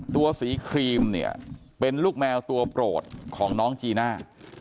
ตัวสีครีมเนี่ยเป็นลูกแมวตัวโปรดของน้องจีน่า